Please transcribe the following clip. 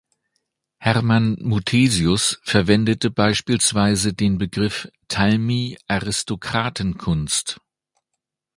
Hermann Muthesius verwendete beispielsweise den Begriff "Talmi-Aristokratenkunst".